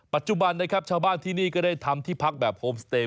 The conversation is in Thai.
ปัจจุบันนะครับชาวบ้านที่นี่ก็ได้ทำที่พักแบบโฮมสเตย